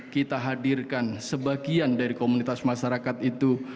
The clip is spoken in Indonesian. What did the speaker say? kita hadirkan sebagian dari komunitas masyarakat itu